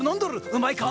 うまいか？